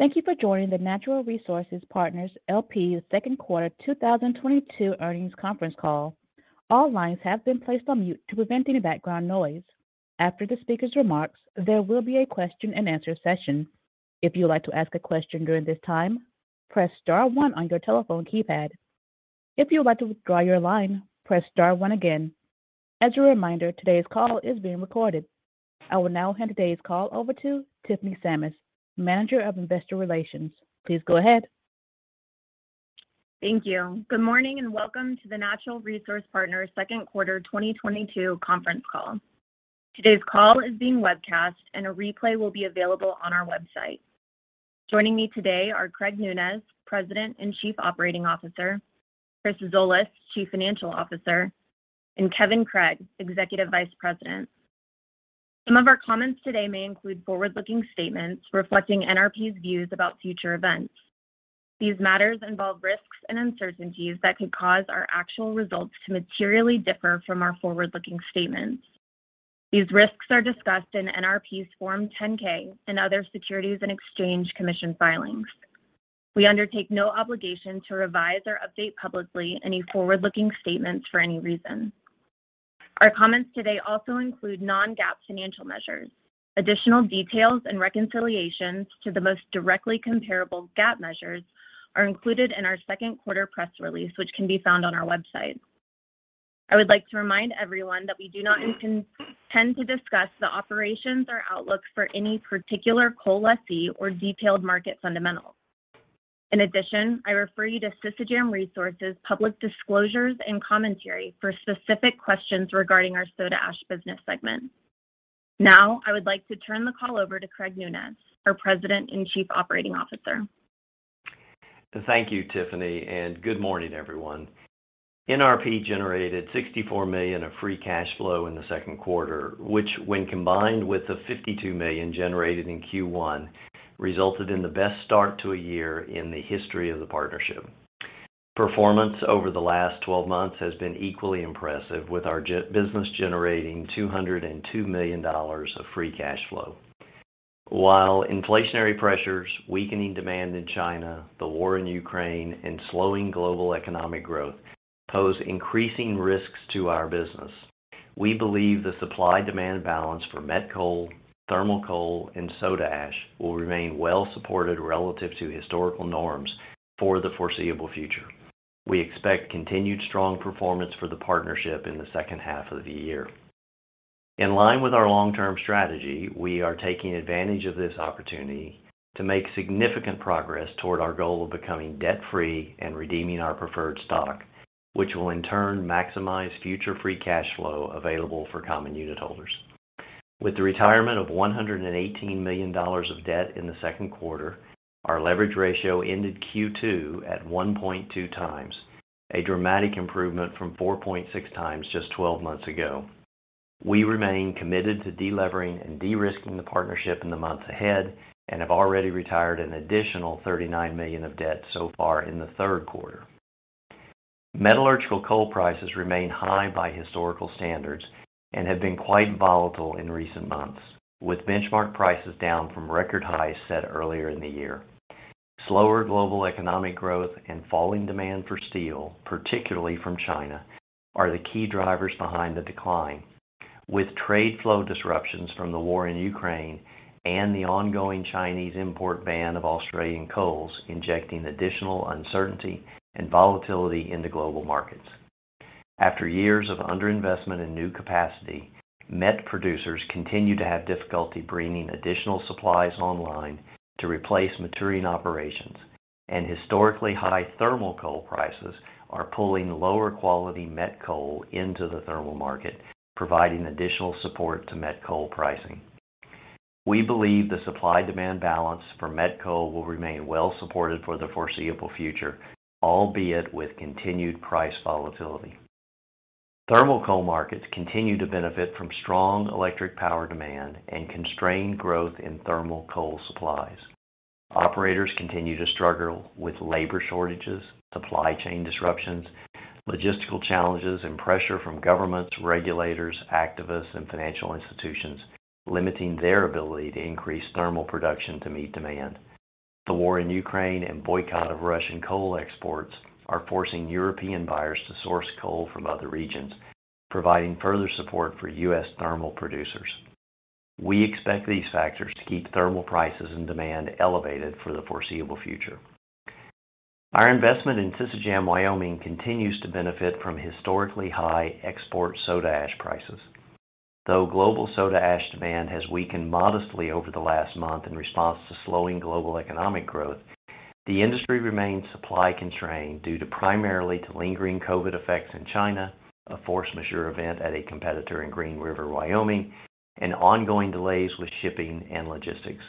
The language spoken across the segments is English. Thank you for joining the Natural Resource Partners LP's Second Quarter 2022 Earnings Conference Call. All lines have been placed on mute to prevent any background noise. After the speaker's remarks, there will be a question-and-answer session. If you'd like to ask a question during this time, press star one on your telephone keypad. If you'd like to withdraw your line, press star one again. As a reminder, today's call is being recorded. I will now hand today's call over to Tiffany Sammis, Manager of Investor Relations. Please go ahead. Thank you. Good morning and welcome to the Natural Resource Partners Second Quarter 2022 Conference Call. Today's call is being webcast and a replay will be available on our website. Joining me today are Craig Nunez, President and Chief Operating Officer, Chris Zolas, Chief Financial Officer, and Kevin Craig Executive Vice President. Some of our comments today may include forward-looking statements reflecting NRP's views about future events. These matters involve risks and uncertainties that could cause our actual results to materially differ from our forward-looking statements. These risks are discussed in NRP's Form 10-K and other Securities and Exchange Commission filings. We undertake no obligation to revise or update publicly any forward-looking statements for any reason. Our comments today also include non-GAAP financial measures. Additional details and reconciliations to the most directly comparable GAAP measures are included in our second quarter press release, which can be found on our website. I would like to remind everyone that we do not intend to discuss the operations or outlook for any particular coal lessee or detailed market fundamentals. I refer you to Şişecam Resources' public disclosures and commentary for specific questions regarding our soda ash business segment. I would like to turn the call over to Craig Nunez, our President and Chief Operating Officer. Thank you, Tiffany, and good morning, everyone. NRP generated $64 million of free cash flow in the second quarter, which when combined with the $52 million generated in Q1, resulted in the best start to a year in the history of the partnership. Performance over the last 12 months has been equally impressive with our business generating $202 million of free cash flow. While inflationary pressures, weakening demand in China, the war in Ukraine, and slowing global economic growth pose increasing risks to our business. We believe the supply-demand balance for met coal, thermal coal, and soda ash will remain well supported relative to historical norms for the foreseeable future. We expect continued strong performance for the partnership in the second half of the year. In line with our long-term strategy, we are taking advantage of this opportunity to make significant progress toward our goal of becoming debt-free and redeeming our preferred stock, which will in turn maximize future free cash flow available for common unit holders. With the retirement of $118 million of debt in the second quarter, our leverage ratio ended Q2 at 1.2x, a dramatic improvement from 4.6x just 12 months ago. We remain committed to delevering and de-risking the partnership in the months ahead and have already retired an additional $39 million of debt so far in the third quarter. Metallurgical coal prices remain high by historical standards and have been quite volatile in recent months, with benchmark prices down from record highs set earlier in the year. Slower global economic growth and falling demand for steel, particularly from China, are the key drivers behind the decline, with trade flow disruptions from the war in Ukraine and the ongoing Chinese import ban of Australian coals injecting additional uncertainty and volatility in the global markets. After years of underinvestment in new capacity, met producers continue to have difficulty bringing additional supplies online to replace maturing operations. Historically high thermal coal prices are pulling lower quality met coal into the thermal market, providing additional support to met coal pricing. We believe the supply-demand balance for met coal will remain well supported for the foreseeable future, albeit with continued price volatility. Thermal coal markets continue to benefit from strong electric power demand and constrained growth in thermal coal supplies. Operators continue to struggle with labor shortages, supply chain disruptions, logistical challenges, and pressure from governments, regulators, activists, and financial institutions, limiting their ability to increase thermal production to meet demand. The war in Ukraine and boycott of Russian coal exports are forcing European buyers to source coal from other regions, providing further support for U.S. thermal producers. We expect these factors to keep thermal prices and demand elevated for the foreseeable future. Our investment in Şişecam Wyoming continues to benefit from historically high export soda ash prices. Though global soda ash demand has weakened modestly over the last month in response to slowing global economic growth, the industry remains supply-constrained due primarily to lingering COVID effects in China, a force majeure event at a competitor in Green River, Wyoming, and ongoing delays with shipping and logistics.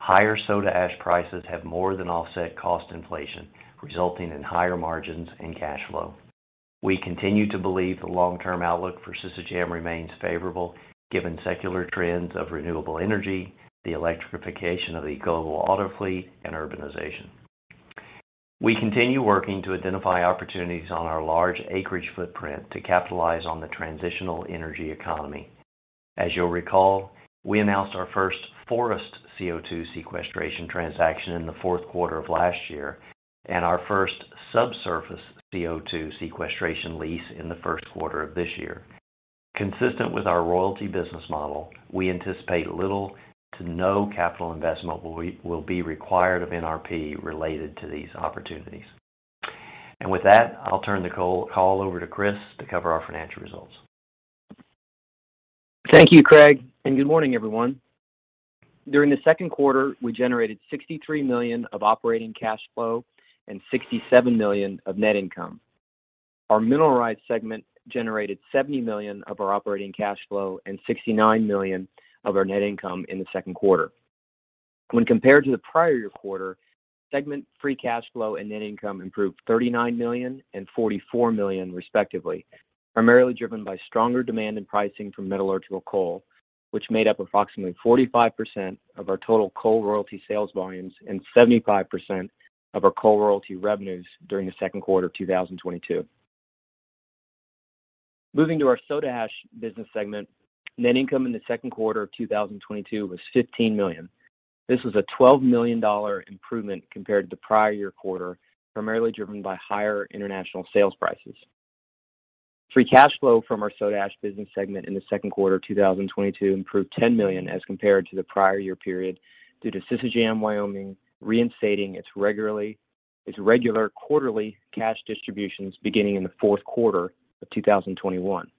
Higher soda ash prices have more than offset cost inflation, resulting in higher margins and cash flow. We continue to believe the long-term outlook for Şişecam remains favorable given secular trends of renewable energy, the electrification of the global auto fleet, and urbanization. We continue working to identify opportunities on our large acreage footprint to capitalize on the transitional energy economy. As you'll recall, we announced our first forest CO2 sequestration transaction in the fourth quarter of last year, and our first subsurface CO2 sequestration lease in the first quarter of this year. Consistent with our royalty business model, we anticipate little to no capital investment will be required of NRP related to these opportunities. With that, I'll turn the call over to Chris to cover our financial results. Thank you, Craig, and good morning, everyone. During the second quarter, we generated $63 million of operating cash flow and $67 million of net income. Our Mineral Rights segment generated $70 million of our operating cash flow and $69 million of our net income in the second quarter. When compared to the prior quarter, segment free cash flow and net income improved $39 million and $44 million respectively, primarily driven by stronger demand in pricing from metallurgical coal, which made up approximately 45% of our total coal royalty sales volumes and 75% of our coal royalty revenues during the second quarter of 2022. Moving to our soda ash business segment. Net income in the second quarter of 2022 was $15 million. This was a $12 million improvement compared to the prior year quarter, primarily driven by higher international sales prices. Free cash flow from our soda ash business segment in the second quarter of 2022 improved $10 million as compared to the prior year period due to Şişecam Wyoming reinstating its regular quarterly cash distributions beginning in the fourth quarter of 2021.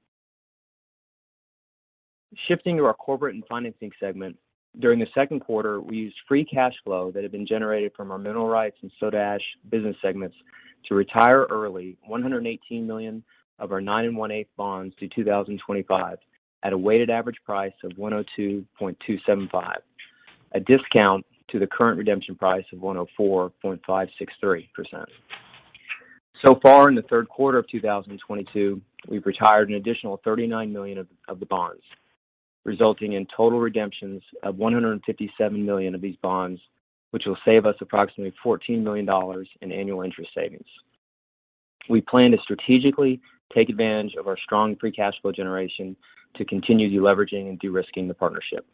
Shifting to our corporate and financing segment. During the second quarter, we used free cash flow that had been generated from our mineral rights and soda ash business segments to retire early $118 million of our 9 1/8% bonds due 2025 at a weighted average price of $102.275. A discount to the current redemption price of 104.563%. Far in the third quarter of 2022, we've retired an additional $39 million of the bonds, resulting in total redemptions of $157 million of these bonds, which will save us approximately $14 million in annual interest savings. We plan to strategically take advantage of our strong free cash flow generation to continue deleveraging and de-risking the partnership.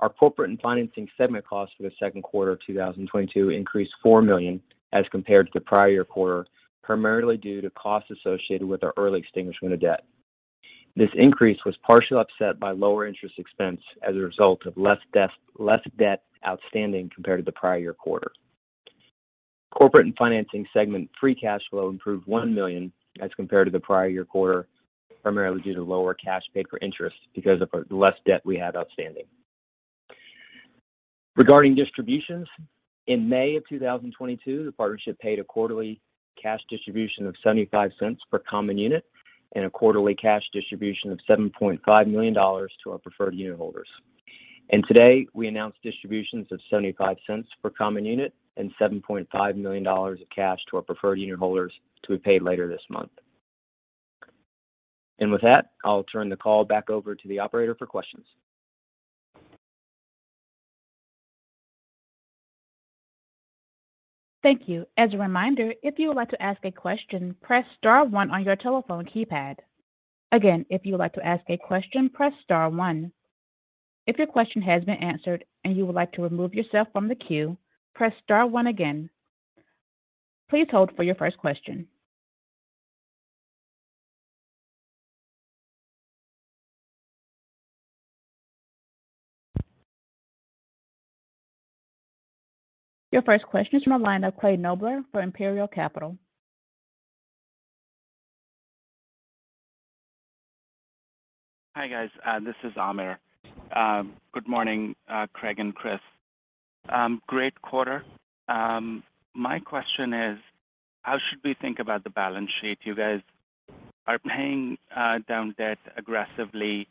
Our corporate and financing segment costs for the second quarter of 2022 increased $4 million as compared to the prior quarter, primarily due to costs associated with our early extinguishment of debt. This increase was partially offset by lower interest expense as a result of less debt outstanding compared to the prior year quarter. Corporate and financing segment free cash flow improved $1 million as compared to the prior year quarter, primarily due to lower cash paid for interest because of the less debt we had outstanding. Regarding distributions, in May 2022, the partnership paid a quarterly cash distribution of $0.75 per common unit and a quarterly cash distribution of $7.5 million to our preferred unit holders. Today, we announced distributions of $0.75 per common unit and $7.5 million of cash to our preferred unit holders to be paid later this month. With that, I'll turn the call back over to the operator for questions. Thank you. As a reminder, if you would like to ask a question, press star one on your telephone keypad. Again, if you would like to ask a question, press star one. If your question has been answered and you would like to remove yourself from the queue, press star one again. Please hold for your first question. Your first question is from the line of Clay Knobler for Imperial Capital. Hi, guys. This is Amir. Good morning, Craig and Chris. Great quarter. My question is, how should we think about the balance sheet? You guys are paying down debt aggressively.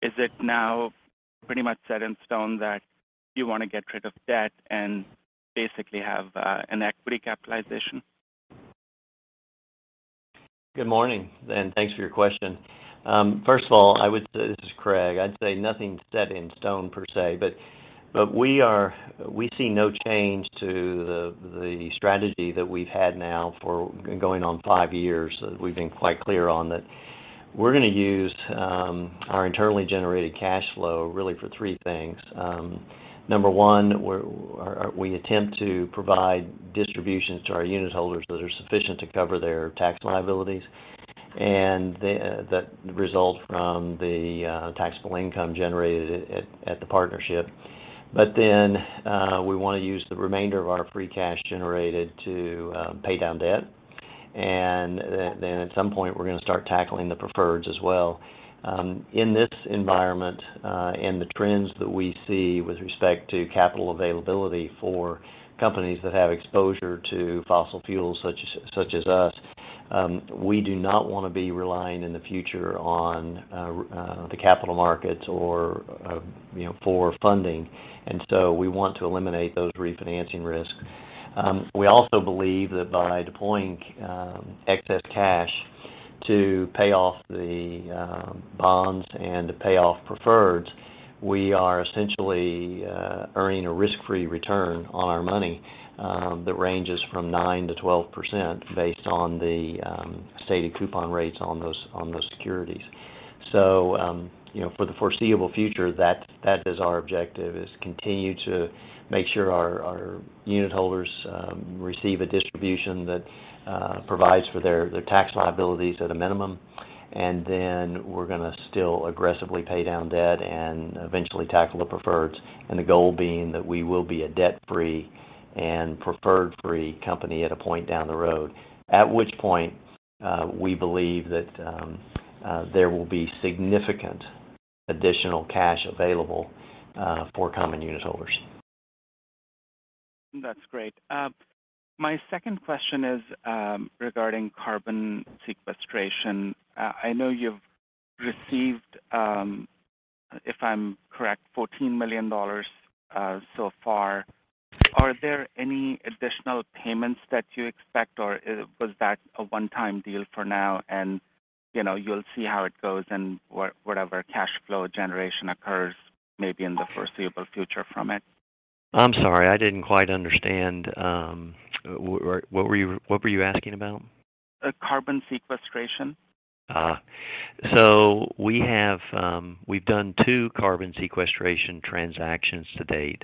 Is it now pretty much set in stone that you wanna get rid of debt and basically have an equity capitalization? Good morning, and thanks for your question. First of all, I would say. This is Craig. I'd say nothing's set in stone per se, but we see no change to the strategy that we've had now for going on five years. We've been quite clear on that. We're gonna use our internally generated cash flow really for three things. Number one, we attempt to provide distributions to our unit holders that are sufficient to cover their tax liabilities and that result from the taxable income generated at the partnership. Then, we wanna use the remainder of our free cash generated to pay down debt. Then at some point we're gonna start tackling the preferreds as well. In this environment, the trends that we see with respect to capital availability for companies that have exposure to fossil fuels such as us, we do not wanna be relying in the future on the capital markets or, you know, for funding. We want to eliminate those refinancing risks. We also believe that by deploying excess cash to pay off the bonds and to pay off preferreds, we are essentially earning a risk-free return on our money that ranges from 9%-12% based on the stated coupon rates on those securities. You know, for the foreseeable future, that is our objective, is to continue to make sure our unit holders receive a distribution that provides for their tax liabilities at a minimum. Then we're gonna still aggressively pay down debt and eventually tackle the preferreds. The goal being that we will be a debt-free and preferred-free company at a point down the road. At which point, we believe that, there will be significant additional cash available, for common unitholders. That's great. My second question is regarding carbon sequestration. I know you've received, if I'm correct, $14 million so far. Are there any additional payments that you expect, or was that a one-time deal for now? You know, you'll see how it goes and whatever cash flow generation occurs maybe in the foreseeable future from it. I'm sorry, I didn't quite understand. What were you asking about? Carbon sequestration? We have, we've done two carbon sequestration transactions to date.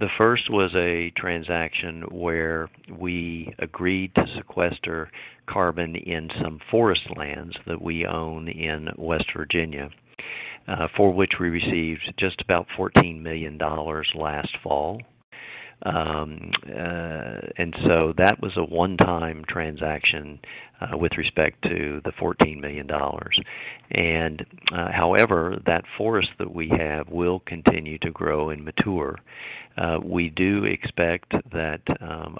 The first was a transaction where we agreed to sequester carbon in some forest lands that we own in West Virginia, for which we received just about $14 million last fall. That was a one-time transaction, with respect to the $14 million. However, that forest that we have will continue to grow and mature. We do expect that,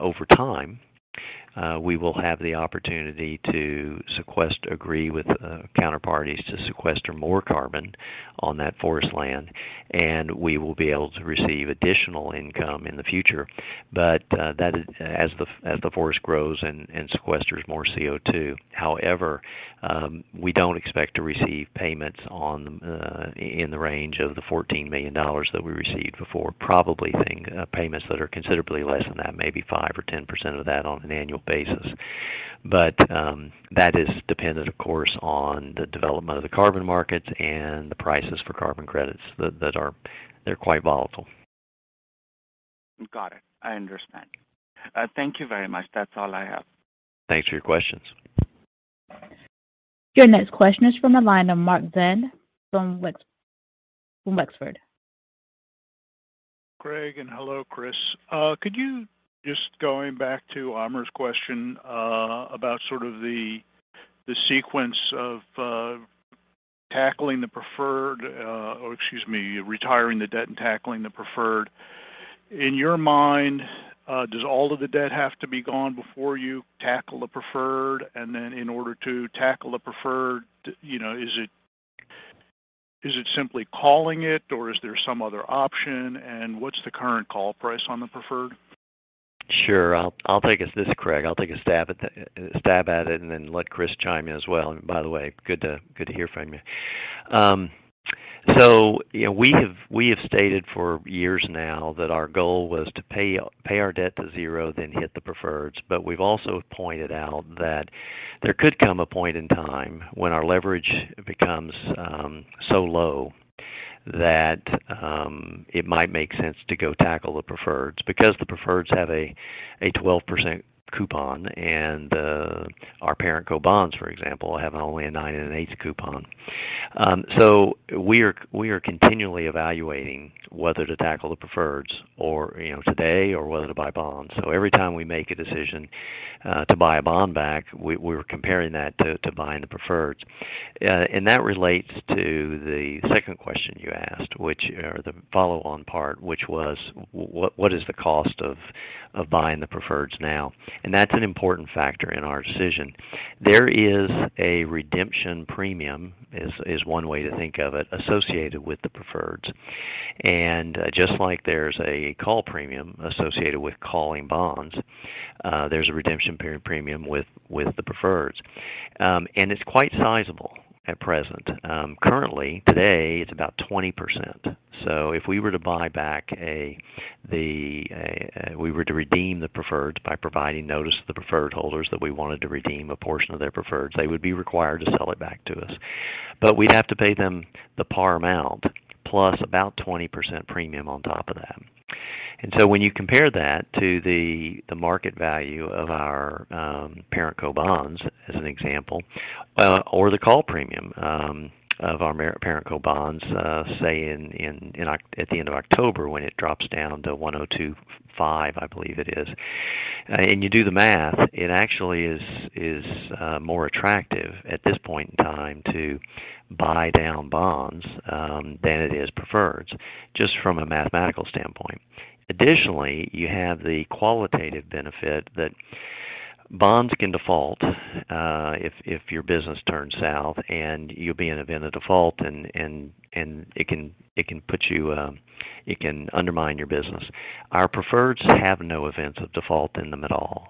over time, we will have the opportunity to agree with counterparties to sequester more carbon on that forest land, and we will be able to receive additional income in the future. That is, as the forest grows and sequesters more CO2. However, we don't expect to receive payments in the range of the $14 million that we received before. Probably think payments that are considerably less than that, maybe 5% or 10% of that on an annual basis. That is dependent, of course, on the development of the carbon markets and the prices for carbon credits that are quite volatile. Got it. I understand. Thank you very much. That's all I have. Thanks for your questions. Your next question is from the line of Mark Zand from Wexford. Craig, hello, Chris. Could you, just going back to Amir's question, about sort of the sequence of tackling the preferred, or excuse me, retiring the debt and tackling the preferred. In your mind, does all of the debt have to be gone before you tackle the preferred? And then in order to tackle the preferred, you know, is it simply calling it or is there some other option? And what's the current call price on the preferred? Sure. This is Craig. I'll take a stab at it and then let Chris chime in as well. By the way, good to hear from you. So you know, we have stated for years now that our goal was to pay our debt to zero, then hit the preferreds. We've also pointed out that there could come a point in time when our leverage becomes so low that it might make sense to go tackle the preferreds. Because the preferreds have a 12% coupon and our parent co bonds, for example, have only a 9% and an 8% coupon. So we are continually evaluating whether to tackle the preferreds or, you know, today or whether to buy bonds. Every time we make a decision to buy a bond back, we're comparing that to buying the preferreds. That relates to the second question you asked, or the follow-on part, which was what is the cost of buying the preferreds now? That's an important factor in our decision. There is a redemption premium, is one way to think of it, associated with the preferreds. Just like there's a call premium associated with calling bonds, there's a redemption premium with the preferreds. It's quite sizable at present. Currently, today, it's about 20%. If we were to redeem the preferreds by providing notice to the preferred holders that we wanted to redeem a portion of their preferreds, they would be required to sell it back to us. We'd have to pay them the par amount plus about 20% premium on top of that. When you compare that to the market value of our parent co bonds, as an example, or the call premium of our parent co bonds, say at the end of October when it drops down to 102.5, I believe it is, and you do the math, it actually is more attractive at this point in time to buy down bonds than it is preferreds, just from a mathematical standpoint. Additionally, you have the qualitative benefit that bonds can default if your business turns south and you'll be in a default and it can put you, it can undermine your business. Our preferreds have no events of default in them at all.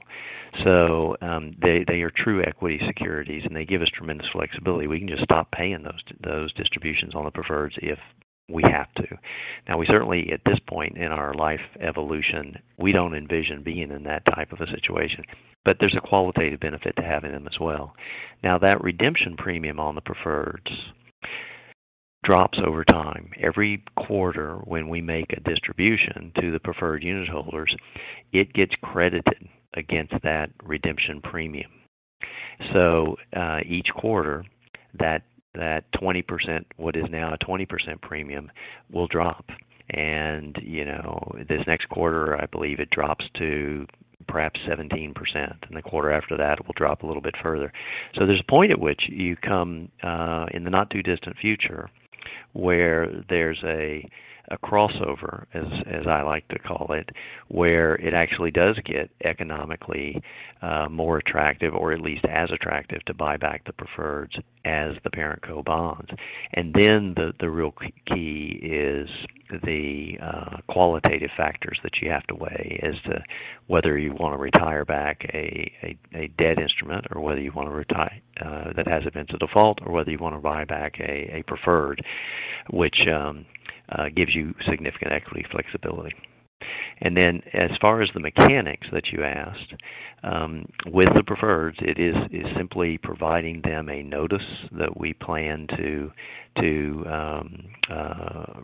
They are true equity securities, and they give us tremendous flexibility. We can just stop paying those distributions on the preferreds if we have to. Now, we certainly, at this point in our life evolution, we don't envision being in that type of a situation, but there's a qualitative benefit to having them as well. Now, that redemption premium on the preferreds drops over time. Every quarter when we make a distribution to the preferred unit holders, it gets credited against that redemption premium. Each quarter that 20%, what is now a 20% premium, will drop. You know, this next quarter, I believe it drops to perhaps 17%, and the quarter after that, it will drop a little bit further. There's a point at which you come in the not too distant future where there's a crossover, as I like to call it, where it actually does get economically more attractive or at least as attractive to buy back the preferreds as the Parent company bonds. The real key is the qualitative factors that you have to weigh as to whether you want to retire back a debt instrument or whether you want to retire that hasn't been to default or whether you want to buy back a preferred, which gives you significant equity flexibility. As far as the mechanics that you asked with the preferreds, it's simply providing them a notice that we plan to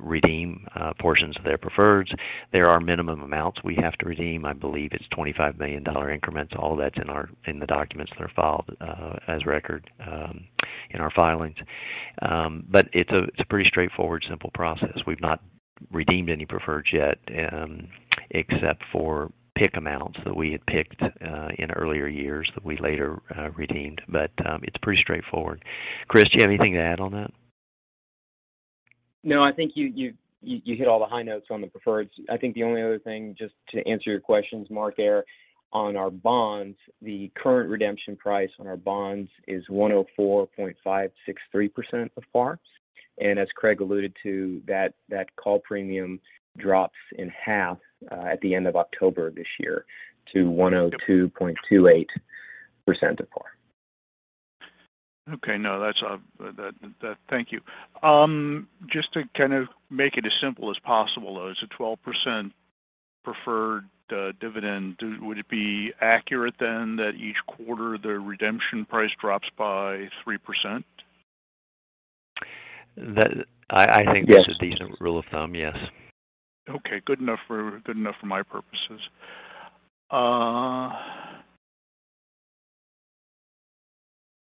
redeem portions of their preferreds. There are minimum amounts we have to redeem. I believe it's $25 million increments. All that's in the documents that are filed of record in our filings. It's a pretty straightforward, simple process. We've not redeemed any preferreds yet, except for PIK amounts that we had PIKed in earlier years that we later redeemed. It's pretty straightforward. Chris, do you have anything to add on that? No, I think you hit all the high notes on the preferreds. I think the only other thing, just to answer your questions, Mark, there on our bonds, the current redemption price on our bonds is 104.563% of par. As Craig alluded to, that call premium drops in half at the end of October this year to 102.28% of par. Okay. No, that's all. Thank you. Just to kind of make it as simple as possible, though, is the 12% preferred dividend, would it be accurate then that each quarter, the redemption price drops by 3%? I think this is a decent rule of thumb, yes. Okay. Good enough for my purposes.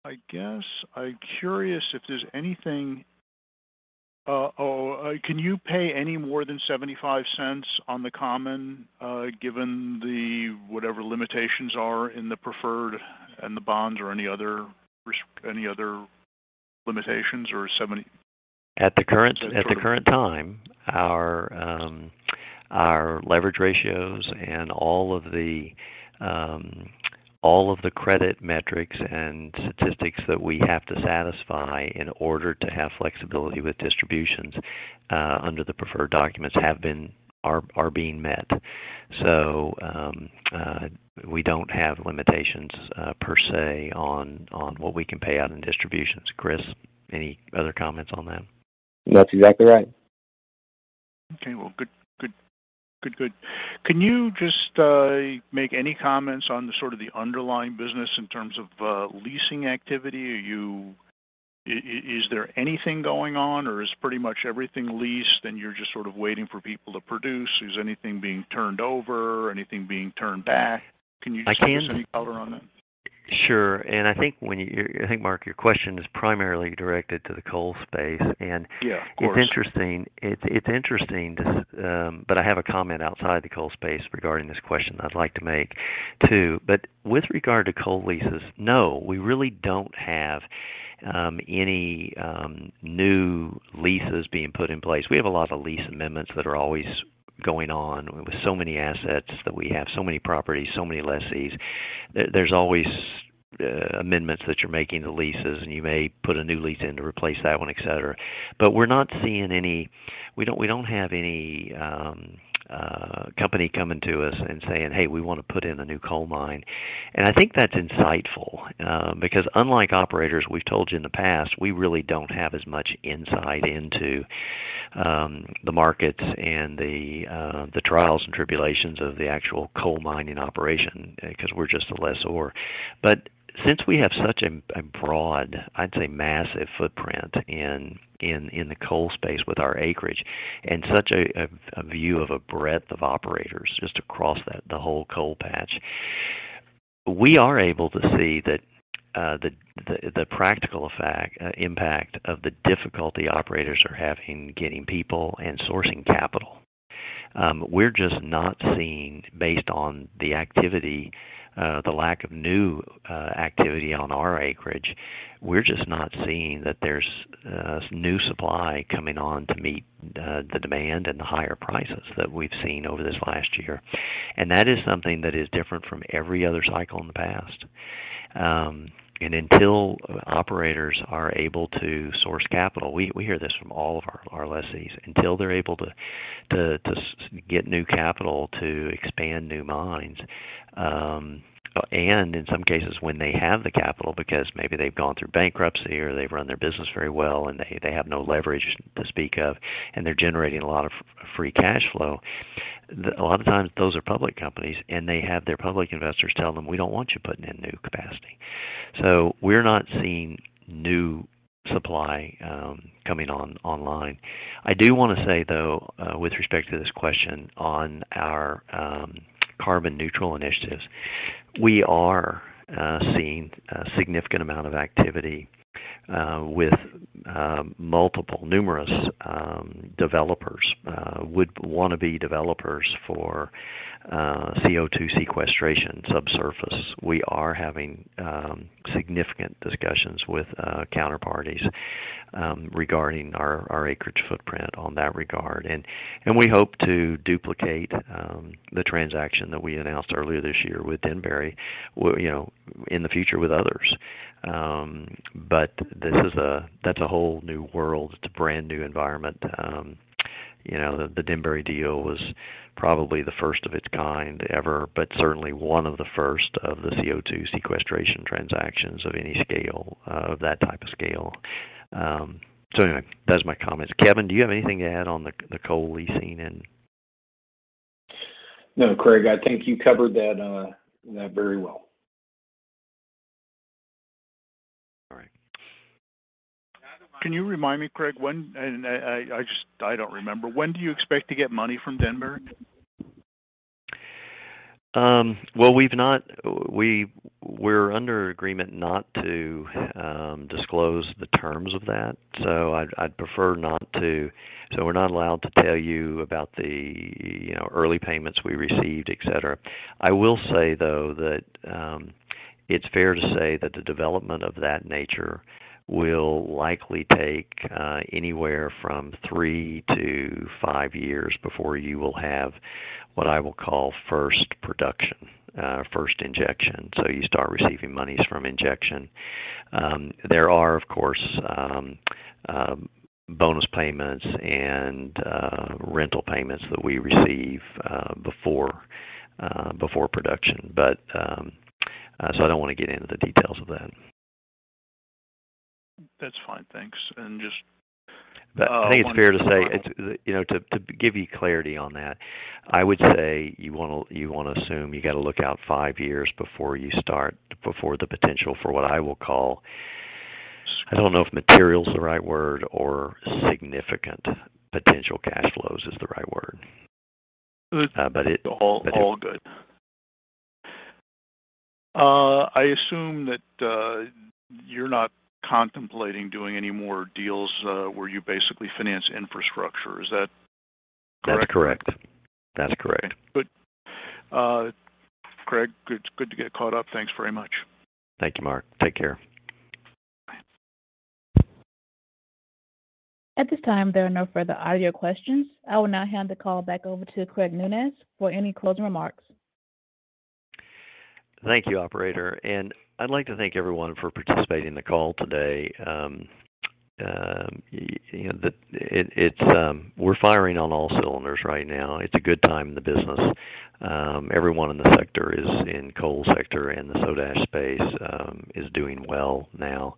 I guess I'm curious if there's anything. Oh, can you pay any more than $0.75 on the common, given whatever limitations are in the preferred and the bonds or any other limitations or seventy- At the current time, our leverage ratios and all of the credit metrics and statistics that we have to satisfy in order to have flexibility with distributions under the preferred documents are being met. We don't have limitations per se on what we can pay out in distributions. Chris, any other comments on that? That's exactly right. Okay. Well, good. Can you just make any comments on the sort of underlying business in terms of leasing activity? Is there anything going on, or is pretty much everything leased, and you're just sort of waiting for people to produce? Is anything being turned over? Anything being turned back? Can you just shed any color on that? Sure. I think, Mark, your question is primarily directed to the coal space. Yeah, of course. It's interesting. I have a comment outside the coal space regarding this question that I'd like to make, too. With regard to coal leases, no, we really don't have any new leases being put in place. We have a lot of lease amendments that are always going on. With so many assets that we have, so many properties, so many lessees, there's always amendments that you're making to leases, and you may put a new lease in to replace that one, et cetera. We're not seeing any. We don't have any company coming to us and saying, "Hey, we want to put in a new coal mine." I think that's insightful, because unlike operators we've told you in the past, we really don't have as much insight into the markets and the trials and tribulations of the actual coal mining operation, because we're just the lessor. Since we have such a broad, I'd say massive footprint in the coal space with our acreage and such a view of a breadth of operators just across that, the whole coal patch, we are able to see that the practical effect, impact of the difficulty operators are having getting people and sourcing capital. We're just not seeing based on the activity, the lack of new activity on our acreage. We're just not seeing that there's new supply coming on to meet the demand and the higher prices that we've seen over this last year. That is something that is different from every other cycle in the past. Until operators are able to source capital, we hear this from all of our lessees, until they're able to to source new capital to expand new mines, and in some cases, when they have the capital because maybe they've gone through bankruptcy or they've run their business very well and they have no leverage to speak of, and they're generating a lot of free cash flow, the A lot of times those are public companies, and they have their public investors tell them, "We don't want you putting in new capacity." We're not seeing new supply coming online. I do wanna say, though, with respect to this question on our carbon neutral initiatives, we are seeing a significant amount of activity with numerous would-be developers for CO2 sequestration subsurface. We are having significant discussions with counterparties regarding our acreage footprint in that regard. We hope to duplicate the transaction that we announced earlier this year with Denbury, you know, in the future with others. But this is. That's a whole new world. It's a brand-new environment. You know, the Denbury deal was probably the first of its kind ever but certainly one of the first of the CO2 sequestration transactions of any scale, of that type of scale. Anyway, that is my comment. Kevin, do you have anything to add on the coal leasing and- No, Craig, I think you covered that very well. All right. Can you remind me, Craig, and I just don't remember. When do you expect to get money from Denbury? Well, we're under agreement not to disclose the terms of that. I'd prefer not to. We're not allowed to tell you about the, you know, early payments we received, et cetera. I will say, though, that it's fair to say that the development of that nature will likely take anywhere from three to five years before you will have what I will call first production, first injection, so you start receiving monies from injection. There are, of course, bonus payments and rental payments that we receive before production. I don't wanna get into the details of that. That's fine. Thanks. Just... I think it's fair to say it's, you know, to give you clarity on that. I would say you wanna assume you gotta look out five years before you start, before the potential for what I will call, I don't know if material is the right word or significant potential cash flows is the right word. But it- All good. I assume that you're not contemplating doing any more deals where you basically finance infrastructure. Is that correct? That's correct. That's correct. Good. Craig, good to get caught up. Thanks very much. Thank you, Mark. Take care. Bye. At this time, there are no further audio questions. I will now hand the call back over to Craig Nunez for any closing remarks. Thank you, operator, and I'd like to thank everyone for participating in the call today. We're firing on all cylinders right now. It's a good time in the business. Everyone in the sector, in coal sector and the soda ash space, is doing well now.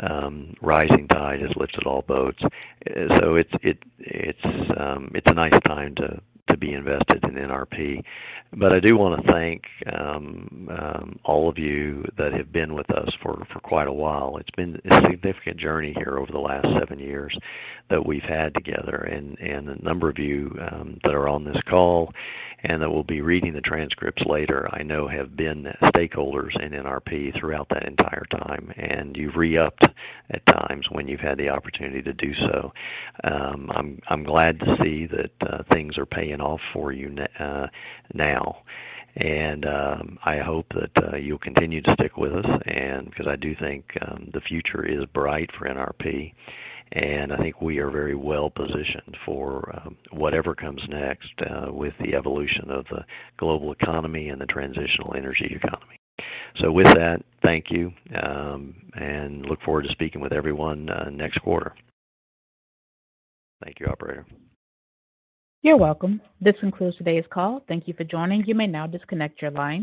Rising tide has lifted all boats. It's a nice time to be invested in NRP. I do wanna thank all of you that have been with us for quite a while. It's been a significant journey here over the last seven years that we've had together, and a number of you that are on this call and that will be reading the transcripts later, I know have been stakeholders in NRP throughout that entire time, and you've re-upped at times when you've had the opportunity to do so. I'm glad to see that things are paying off for you now. I hope that you'll continue to stick with us because I do think the future is bright for NRP, and I think we are very well-positioned for whatever comes next with the evolution of the global economy and the transitional energy economy. With that, thank you, and look forward to speaking with everyone next quarter. Thank you, operator. You're welcome. This concludes today's call. Thank you for joining. You may now disconnect your line.